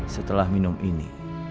setelah minum ini